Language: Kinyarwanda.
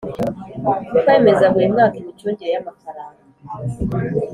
Kwemeza buri mwaka imicungire y amafaranga